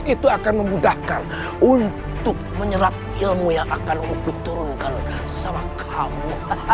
itu akan memudahkan untuk menyerap ilmu yang akan kubu turunkan sama kamu